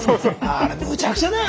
あれむちゃくちゃだよ